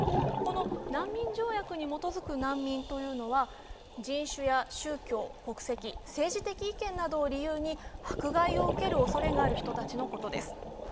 この難民条約に基づく難民というのは、人種や宗教、国籍、政治的意見などを理由に迫害を受けるおそれがある人たちのことです。